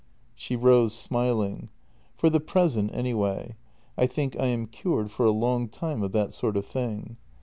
" She rose, smiling: "For the present, anyway. I think I am cured for a long time of that sort of thing."